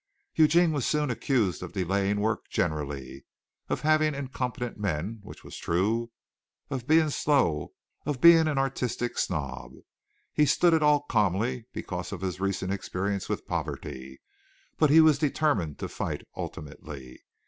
Eugene was soon accused of delaying work generally, of having incompetent men (which was true), of being slow, of being an artistic snob. He stood it all calmly because of his recent experience with poverty, but he was determined to fight ultimately.